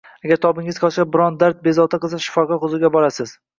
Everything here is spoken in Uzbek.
Agar tobingiz qochsa, biron dard bezovta qilsa, shifokor huzuriga borasiz.